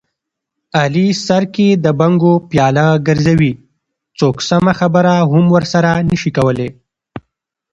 علي سر کې د بنګو پیاله ګرځوي، څوک سمه خبره هم ورسره نشي کولی.